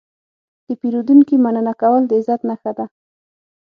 د پیرودونکي مننه کول د عزت نښه ده.